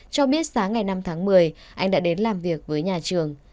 cho biết sáng ngày năm tháng một mươi anh đã đến làm việc với nhà trường